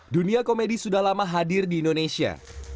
dunia komedi sudah lama hadir di indonesia